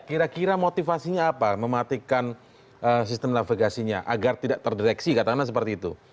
kira kira motivasinya apa mematikan sistem navigasinya agar tidak terdeteksi katakanlah seperti itu